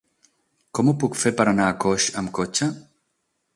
Com ho puc fer per anar a Coix amb cotxe?